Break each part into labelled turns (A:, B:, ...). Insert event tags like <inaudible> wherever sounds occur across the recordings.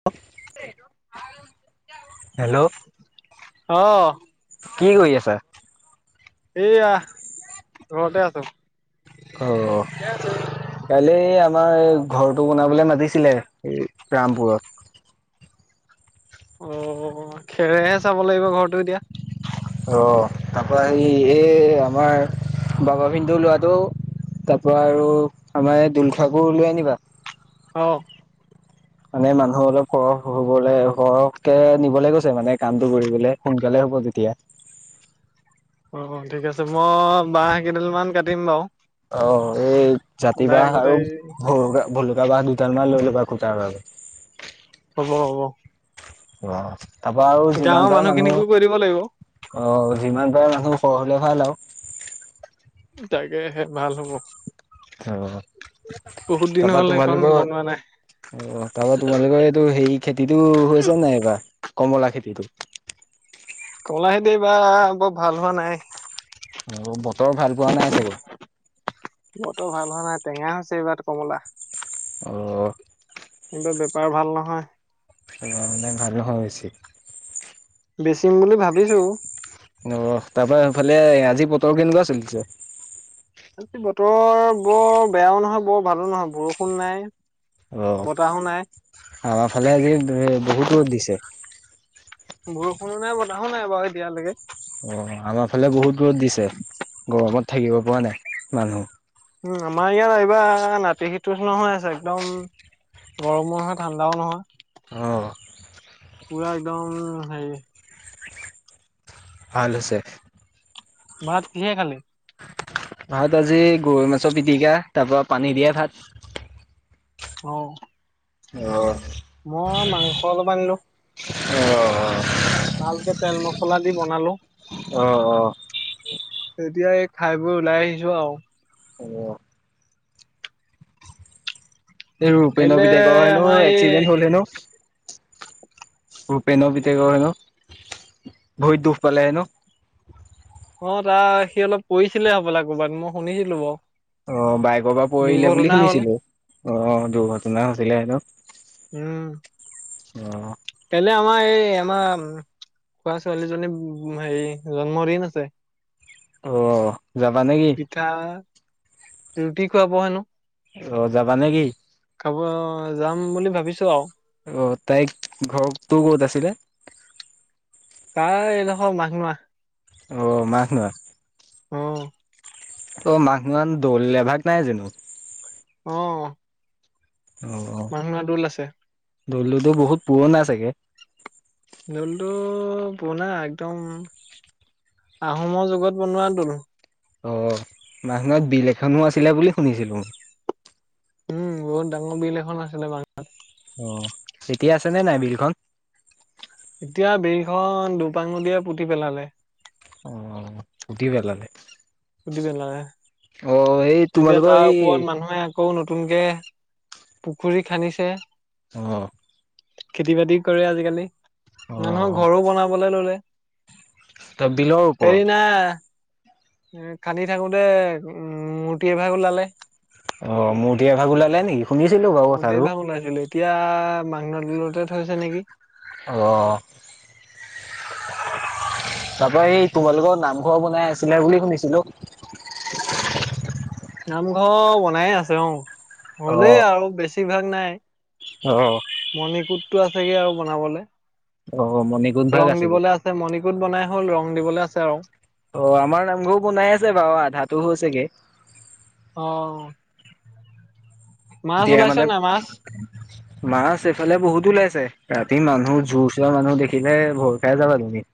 A: <unintelligible>
B: <inaudible>
A: Hello.
B: অ'।
A: কি কৰি আছা?
B: এইয়া ঘৰতে আছো।
A: অ'। কাইলৈ আমাৰ এই ঘৰটো বনাবলে মাতিছিলে এই ৰামপুৰত।
B: অ' খেৰেহে চাব লাগিব ঘৰটো এতিয়া।
A: অ' তাৰপৰা সে এই আমাৰ বাবা <unintelligible> ল'ৰাটো তাৰ পৰা আৰু আমাৰ এই দলখোৱাকো লৈ আনিবা।
B: অ'।
A: মানে মানুহ অলপ সৰহ হবলৈ সৰহকে নিবলৈ কৈছে মানে কামটো কৰিবলে সোনকালে হ'ব তেতিয়া।
B: অ', অ' ঠিক আছে মই বাঁহ কেইডালমান কাটিম বাৰু।
A: অ' এই জাতি
B: দাই
A: বাঁহ আৰু
B: গোটেই
A: ভ ভলুকা বাঁহ দুটা। দুডালমান লৈ ল'বা খুঁটাৰ বাবে।
B: হ'ব হ'ব।
A: আহ তাৰপা আৰু
B: গাঁৱৰ
A: যিমান পাৰে মানুহ
B: মানুহখিনিকো কৈ দিব লাগিব
A: অ' যিমান পাৰে মানুহ সৰহ হ'লে ভাল আৰু।
B: তাকেহে ভাল হ'ব।
A: অ'।
B: বহুত দিন
A: তাৰপা
B: হ'ল সেইখন
A: তোমালোকৰ,
B: বনোৱা নাই
A: অ' তাৰপা তোমালোকৰ এইটো হেৰি খেতিটো হৈ আছে নাই এইবাৰ কমলা খেতিটো
B: কমলা খেতি এইবাৰ বৰ ভাল হোৱা নাই।
A: অ', তৰ ভাল পোৱা নাই চাগে
B: বৰতো ভাল হোৱা নাই, টেঙা হৈছে এইবাৰ কমলা
A: অ',
B: কিন্তু বেপাৰ ভাল নহয়
A: মানে ভাল হৈ হৈছে
B: বেচিম বুলি ভাবিছো
A: অ', তাৰ পৰাৰা সফালে আজি পতৰ কেনেকুৱা চলিছে
B: আজি বতৰ বৰ বেয়াও নহয়, বৰ ভালো নহয় বৰষুণ নাই
A: অ',
B: বতাহো নাই
A: আমাৰ ফালে আজি বহুত ৰ'দ দিছে
B: বৰষুণো নাই, বতাহো নাই, বাৰু এতিয়ালৈকে
A: অ', আমাৰ ফালে বহুত দূৰত দিছে গৰমত থাকিব পৰা নাই মানুহ
B: উম, আমাৰ ইয়াত এইবা নাতিশীটোচ নহয় আছে একদম গৰমো নহয়, ঠাণ্ডাও নহয়
A: অ',
B: পুৰা একদম হেই
A: ভাল হৈছে
B: ভাত কিহে খালি?
A: ভাত আজি গৰৈ মাছৰ পিটিকা, তাৰ পৰাৰা পানী দিয়ে ভাত
B: অ',
A: অ
B: মই মাংস অলপ আনিলো
A: অ
B: ভালকে, তেল মছলা দি বনালো
A: অ',
B: তেতিয়া, এই খাই বোৰ ওলাই আহিছো আৰু
A: অ', এই ৰূপেন
B: কাইলে
A: বিধেকৰ হেনো
B: আমাৰ এই
A: এক্সিডেণ্ট হ'ল হেনো ৰূপেন পিটকৰ হেনো, বহত দুখ পালে হেনো
B: অ', তাৰ সি অলপ পৰিছিলে হ'ব লা ক'ৰবাত মই শুনিছিলো বাৰু
A: অ, বাইকৰ পৰা পৰিলে বুলি
B: দুৰ্ঘটনা হ'ল।
A: শুনিছিলো, অ', দুৰ্ঘটনা হৈছিলে হেনো
B: উম,
A: অ',
B: <unintelligible> আমা এই আমা খুৰা ছোৱালীজনী হেৰি জন্ম দিন আছে
A: অ', যাবা নেকি?
B: পিঠা ৰুটি খুৱাব হেনো
A: অ', যাবা নে কি?
B: খাব, যাম বুলি ভাবিছো আৰু
A: অ', তাইক ঘৰ তোৰ ক'ত আছিলে
B: তাই এইডোখৰ মাঘনোৱা
A: অ, মাঘনোৱা
B: অ',
A: অ', মাঘনোৱাত দৌল এভাগ নাই জানো
B: অ',
A: অ',
B: মাঘনোৱা দৌল আছে।
A: দলুটো বহুত পুৰণা চাগে
B: দোলটো পৰনা, একদম আহোমৰ যুগত বনোৱা দোল-
A: অ ', মাঘনোৱাত বিল এখনো আছিলে বুলি শুনিছিলো
B: উম, বহুত ডাঙৰ বিল এখন আছিলে মাঘনোৱাত
A: অ', এতিয়া আছে নে নাই বিলখন
B: এতিয়া, বিৰখন দুপাং নদিয়ে পুতি পেলালে
A: অ', পুতি পেলালে
B: পুটি পেলালাে
A: অ',
B: এতিয়া
A: তোমালোকৰ
B: তাৰ
A: এই
B: ওপৰত মানুহে আকৌ নতুনকে পুখুৰী খান্দিছে
A: অঁ
B: খেতি বাতি কৰে আজিকালি মানুহৰ
A: অ',
B: ঘৰো বনাবলে ললে
A: ত বিলৰ ওপৰত
B: আহ এ খান্দি থাকোতে উ মূৰ্তি এভাগ ওলালে
A: অ মোৰ দিয়া ভাগ ওলালে নেকি শুনিছিলো বাৰু
B: মূৰ্তি এভাগ
A: কথাটো
B: ওলাইছিলে, এতিয়া মাংনালতে থৈছে নেকি
A: অ তাৰ পৰাৰা এই তোমালোকৰ নামঘৰ বনাই আছিলে বুলি শুনিছিলো
B: নামঘৰ বনাইে আছে অ হলেই
A: অ',
B: আৰু বেছিভাগ নাই
A: অ
B: মণিকোটটো আছেগে আৰু বনাবলে
A: অ', মণিকোট ভাগ
B: ৰং
A: আছেগে।
B: দিবলৈ আছে আছে মণিকোট বনাই হ'ল ৰং দিবলৈ আছে আৰু
A: অ আমাৰ নামঘৰ বনাই আছে বাৰু আধাোও হৈছেগে
B: অ মাছ
A: এতিয়া
B: ওলাইছে
A: মানে
B: নাই মাছ
A: মাছ এইফালে বহুত ওলাইছে ৰাতি মানুহ জোৰ চৰা মানুহ দেখিলে ভৰ খাই যাবা তুমি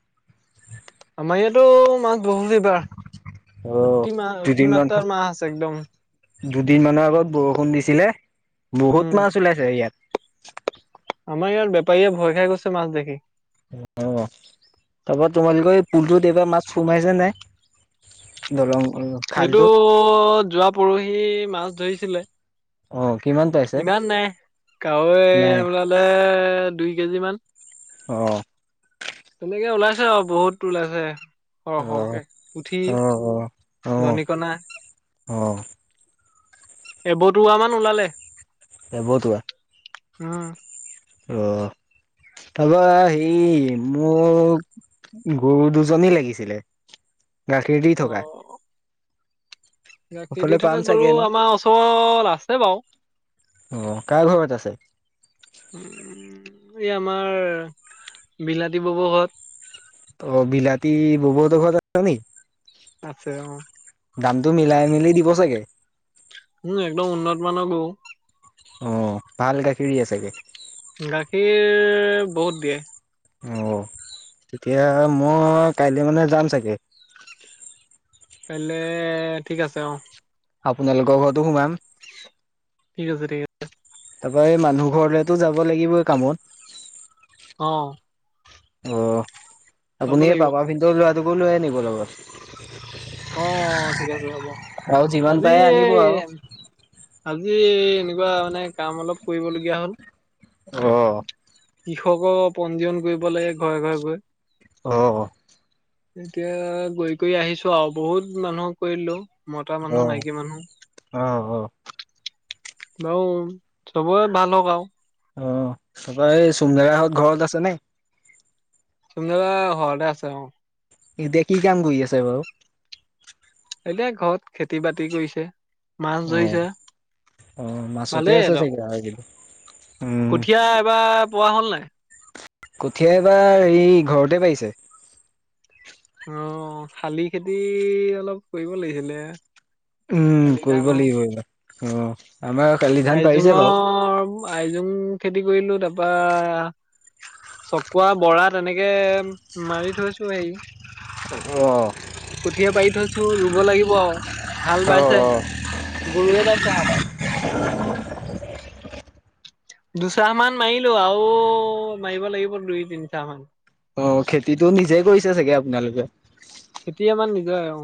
B: আমাৰ ইয়াতো মাছ বহুত এবাৰ
A: অ',
B: অতি মাহ অতি মাত্ৰাৰ মাহ আছে একদম
A: দুদিন মানৰ আগত বৰষুণ দিছিলে
B: উম।
A: বহুত মাছ ওলাইছে ইয়াত
B: আমাৰ ইয়াৰ বেপাৰীয়ে ভয় খাই গৈছে মাছ দেখি
A: অ তাৰপৰা তোমাৰাল কয় এই পুলটোত এইবাৰ মাছ সোমাইছে নাই দলং খালটোত?
B: সেইটো যোৱা পৰহি মাছ ধৰিছিলে
A: অ কিমান তাৰ
B: ইমান নাই কাৱৈ ওলালে দুই কেজি মান
A: অ
B: তেনেকে ওলাইছে আৰু বহুত ওলাইছে সৰহ
A: অ
B: সৰহকে পুঠি
A: অ
B: দনিকনাা
A: অঁ
B: এবটুৱ মান ওলালে
A: এ বহত কোৱা
B: উম
A: অ তপৰা সেই মোক গৰু দুজনী লাগিছিলে গাখীৰ দি থকা
B: অ', গাখীৰ
A: সফালে
B: দি
A: পাম
B: থকাে গৰু
A: চাগে ন
B: আমাৰ ওচৰত আছে বাৰু
A: অ কাৰ ঘৰত আছে
B: উ এই আমাৰ বিলতিীৱৱসত
A: ত বিলাতী ববৌডোখৰত আছ নি
B: আছে অ
A: দামটো মিলাই মেলি দিব চাগে
B: উ একদম উন্নত মানৰ গ
A: অ ভাল গাখীৰ আছোগে
B: গাখীৰ বহুত দিয়ে
A: অ তেতিয়া মই কাইলৈ মানে যাম চাগে
B: কাইলে ঠিক আছে অ
A: আপোনালোকৰ ঘৰতো সোমাম
B: ঠিক আছেিকছে
A: তাৰপৰা এই মানুহ ঘৰলেতো যাব লাগিবই কামত
B: অ
A: অ
B: চাব
A: আপুনি এই
B: লাগিব
A: পাপা ফিনটৰ লৰাটোকো লৈয়ে নিিব লগত
B: অ', ঠিক আছে ৰব,
A: আৰু যিমান
B: আজি
A: পাৰে আনিব
B: এই
A: আৰু।
B: আজি এই এনেকুৱা মানে কাম অলপ কৰিবলগীয়া হ'ল।
A: অ'।
B: কৃষক' পঞ্জীয়ন কৰিব লাগে ঘৰে ঘৰে গৈ।
A: অ', অ'।
B: এতিয়া কয়ি কয়ি আহিছো আৰু বহুত মানুহক কৰিলো। মতা
A: অ
B: মানুহ, মাইকী
A: অ
B: মানুহ। বাও, চবৰে ভাল হওঁক আৰু।
A: অ'। তাপা এই চুমদেদাহঁত ঘৰত আছে নে?
B: চুমদেদা ঘৰতে আছে, অ'।
A: ই এতিয়া কি কাম কৰি আছে বাৰু?
B: এতিয়া ঘৰত খেতি বাতি কৰিছে। মাছ
A: অ',
B: ধৰিছে
A: অ', মাছতে
B: ভালেই
A: আছে
B: সিহঁতৰ
A: ছাগে <unintelligible> উ।
B: কঠীয়া এবাৰ পোৱা হ'ল নাই?
A: কঠীয়া এবাৰ এই ঘৰতে পাৰিছে।
B: অ', শালি খেতি অলপ কৰিব লাগিছিলে।
A: উ,
B: শালি
A: কৰিব
B: ধানৰ
A: লাগিব এইবাৰ। অ', আমাৰ শালি ধান পাৰিছে বাৰু।
B: আইজোঙৰ, আইজোং খেতি কৰিলো। তাৰপা চকুৱা, বড়া তেনেকে মাৰি থৈছো হেৰি
A: অ।
B: কঠিয়া পাৰি থৈছো, ৰুব লাগিব আৰু হাল বাইছে।
A: অ',
B: গৰুৱে বাইছে হাল। দুচাহ মান মাৰিলো আৰু মাৰিব লাগিব দুই তিনচাহ মান।
A: অ' খেতিতো নিজে কৰিছে চাগে আপোনালোকে।
B: খেতি আমাৰ নিজৰে অ'।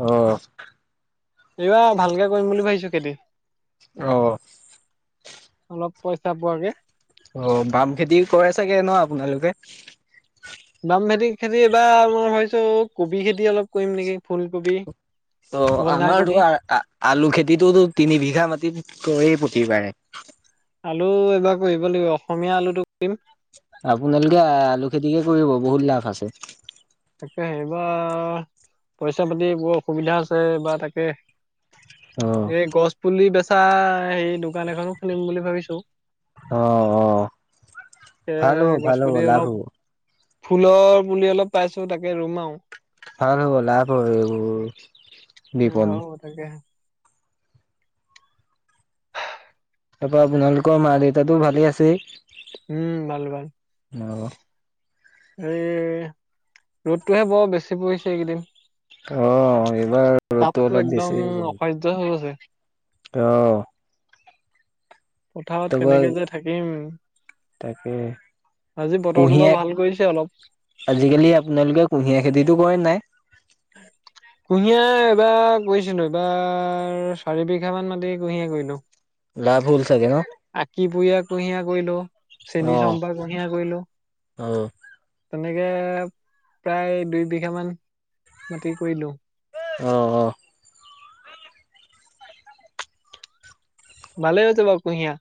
A: অ'।
B: এইবাৰ ভালকে কৰিম বুলি ভাবিছো খেতি।
A: অ।
B: অলপ পইচা পোৱাকে।
A: অ', বামখেতি কৰে চাগে ন আপোনালোকে?
B: বামখেতি খেতি এইবাৰ, মই ভাবিছো কবি খেতি অলপ কৰিম নেকি! ফুলকবি।
A: অ', আমাৰতো
B: বন্ধাকবি,
A: আ-আলু খেতিতোটো তিনি বিঘা মাটিত কৰেই প্ৰতিবাৰে।
B: আলু এইবাৰ কৰিব লাগিব অসমীয়া আলুটো কৰিম।
A: আপোনালোকে আলু খেতিকে কৰিব বহুত লাভ আছে।
B: তাকে, এইবাৰ, পইচা পাতি বৰ অসুবিধা আছে, বা তাকে!
A: অ',
B: এই গছ পুলি বেচা, সেই দোকান এখনো খুলিম বুলি ভাবিছোঁ।
A: অ', অ',
B: এ,
A: ভাল হ'ব ভাল হ'ব
B: গছপুলি
A: লাভ
B: অলপ
A: হ'ব
B: ফুলৰ পুলি অলপ পাইছো তাকে ৰুম আৰু।
A: ভাল হ'ব, লাভ হয় এইবোৰ।
B: লাভ
A: বিপণী।
B: হয় তাকে।
A: তাৰপা আপোনালোকৰ মা-দেউতাটো ভালে আছেই।
B: উ, ভাল, ভাল।
A: অ',
B: এই, ৰ'দটোহে বৰ বেছি পৰিছে এইকেইদিন।
A: অ', এইবাৰ ৰ'দটো
B: তাপতো
A: অলপ
B: একদম
A: বেছি <unintelligible>
B: <unintelligible>
A: অ'।
B: পথাৰত
A: তাৰপৰা
B: কেনেকে যে থাকিম
A: তাকে।
B: আজি বতৰটো
A: কুঁহিয়া
B: বাও ভাল কৰিছে অলপ।
A: আজিকালি আপোনালোকে কুঁহিয়াৰ খেতিটো কৰে নাই?
B: কুঁহিয়াৰ এবাৰ কৰিছিলো এইবাৰ চাৰি বিঘা মান মাটি কুঁহিয়াৰই কৰিলো
A: লাভ হল চাগে ন
B: আঁকি <unintelligible> কুঁহিয়াৰ কৰিলো চেনী
A: অ',
B: চম্পকুঁহিয়াৰ কৰিলো
A: অ',
B: তেনেকে প্ৰায় দুই বিঘ মান মাটি কৰিলো
A: অ অ
B: ভালেই হৈছে বাৰু কুঁহিয়াৰ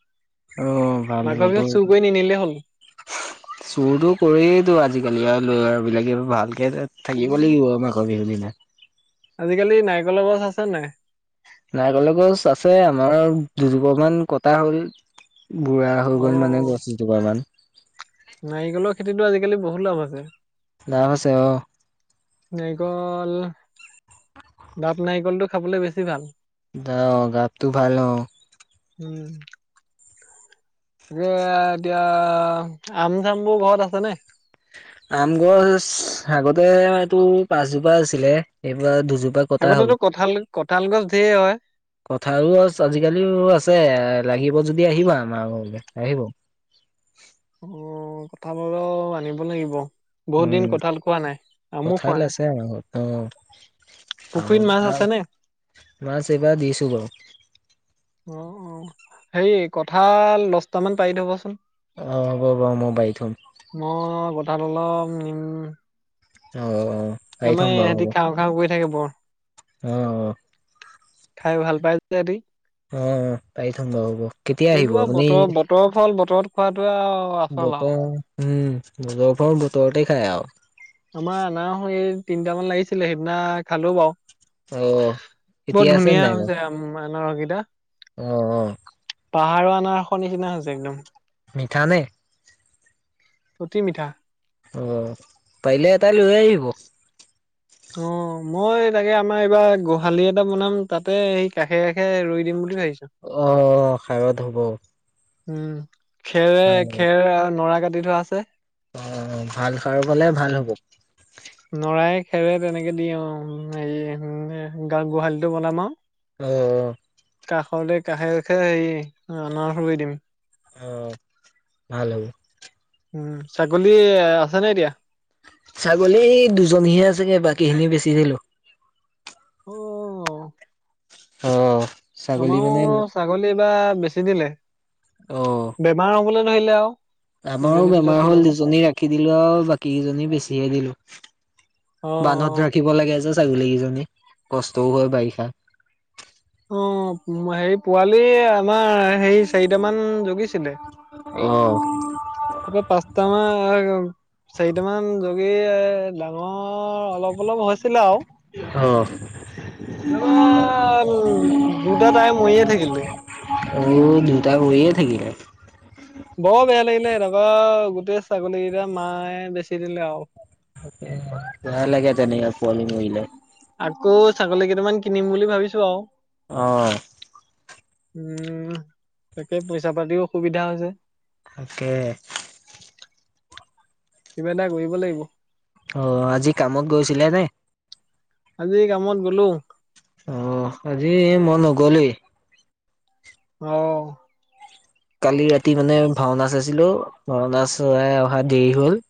A: অ',
B: মাঘৰ বিহুত চুৰ কৰি নিনিলে হ'ল
A: চুৰতো কৰিয়েতো আজিকালি আৰু <unintelligible> বিলাকে ভালকে থাকিব লাগিব আমাক <unintelligible> বিহু দিনা
B: আজিকালি নাৰিকলৰ গছ আছে নাই
A: নাৰিকলৰ গছ আছে আমাৰ দুজপা মান কটা হ'ল বুঢ়া হৈ
B: অ
A: গ'ল মানে গছ এজোপা মান
B: নাৰিকলৰ খেতিতো আজিকালি বহুত লাভ আছে
A: লাভ আছে অ
B: নাৰিকল দাপ নাৰিকলটো খাবলৈ বেছি ভাল
A: দা দাপটো ভাল অ
B: উম এ এতিয়া আম চাম বোৰ ঘৰত আছে নে
A: আম গছ আগতে এইটো পাঁচজোপা আছিলে এইবাৰ দুজোপা কটা হ'ল।
B: আগতেতো কঁঠাল কঁঠাল গছ ধেৰ হয়
A: কঠাল গছ আজিকালিও আছে এ লাগিব যদি আহিবা আমাৰ ঘৰলৈ আহিব
B: অ কঠাল <unintelligible> আনিব লাগিব বহুত
A: উম
B: দিন কঁঠাল খোৱা নাই আৰু আমো
A: কঁঠাল
B: খোৱা নাই
A: আছে আমাৰ ঘৰত অ' আম
B: পুখুৰীত মাছ আছে নে
A: মাছ এবাৰ দিছোঁ বাৰু
B: অ অ হেই কঠাল দছটামান পাৰি থবচোন
A: অঁ হ'ব বাৰু মই পাৰি থম
B: মই কঠাল অলপ নিম
A: অ অ পাৰি
B: আমাৰ
A: থম বাৰু
B: এহঁতি
A: হ'ব
B: খাওঁ খাওঁ কৰি থাকে বৰ
A: অ অ
B: খাই ভাল পাইছে হেৰি
A: অ পাৰি থম বাৰু হ'ব কেতিয়া আহিব আপুনি
B: বতৰ ফল বতৰত খোৱাাতোৱে আৰু আচল আৰু
A: বতৰ উমজৰ ফৰ বতৰতে খাই আৰু
B: আমাৰ আনা এই তিনিটামান লাগিছিলে সেইদিনা খালো বাৰু
A: অ
B: বৰ
A: এতিয়া আছে
B: ধুনীয়া হৈছে আনৰকিিতা
A: উম অ
B: পাহাৰৰ অননাৰ নিচিনা হৈছে একদম
A: মিঠা নে
B: অতি মিঠা
A: অ পাৰিলে এটাাই লৈ আহিব
B: অ মই তাকে আমাৰ এইবাৰ গোহালি এটা বনাম তাতে সেই কাষে কাষে ৰই দিম বুলি ভাবিছো
A: অ খাইত হ'ব
B: উম খেৰে
A: ভাল হ'ব
B: খেৰ নৰা কাটি থোৱা আছে
A: অ ভাল সাৰ গালে ভাল হ'ব
B: নৰাই খেৰে তেনেকে দি অ হেৰি গা গোহালিটো বনাম আৰু
A: অ
B: কাষতে কাষে কাষে হে অনাৰ সই দিম
A: অ ভাল হ'ব
B: উম ছাগলী আছে নে এতিয়া
A: ছাগলী দুজনীহে আছেগে বাকীখিনি বেচি দিলোঁ।
B: অ'।
A: অ'। ছাগলী মানে
B: আমাৰো ছাগলী এইবাৰ বেচি দিলে,
A: অ
B: বেমাৰ হ'বলে ধৰিলে আৰু।
A: আমাৰো
B: ইজনীৰ পিছত
A: বেমাৰ হ'ল
B: সিজনী
A: দুজনী ৰাখি দিলোঁ আৰু বাকী কেইজনী বেচিয়ে দিলোঁ।
B: অ অ
A: বান্ধত ৰাখিব লাগে যে ছাগলীকিজনী কষ্টও হয়, বাৰিষাত।
B: অ', হেৰি পোৱালি আমাৰ হেৰি চাৰিটামান জগিছিলে।
A: অ'।
B: <inaudible> চাৰিটামান জগি ডাঙৰ অলপ, অলপ হৈছিলে আৰু।
A: অহ'।
B: তোমাৰ উম, দুটা তাৰে মৰিয়ে থাকিলে।
A: অ', দুটা মৰিয়ে থাকিলে!
B: বৰ বেয়া লাগিলে তাৰপা গোটেই ছাগলীকেইটা মায়ে বেচি দিলে আৰু।
A: বেয়া লাগে তেনেকে পোৱালি মৰিলে।
B: আকৌ ছাগলী কেইটামান কিনিম বুলি ভাবিছোঁ আৰু।
A: অ'।
B: উম, তাকে পইচা পাতিও অসুবিধা হৈছে।
A: তাকে।
B: কিবা এটা কৰিব লাগিব।
A: অ', আজি কামত গৈছিলা নে?
B: আজি কামত গ'লো।
A: অ', আজি মই নগ'লোৱে।
B: অ'।
A: কালি ৰাতি মানে ভাওঁনা চাইছিলোঁ, ভাওঁনা চাই অহা দেৰি হ'ল।